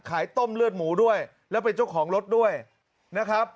ต้มเลือดหมูด้วยแล้วเป็นเจ้าของรถด้วยนะครับ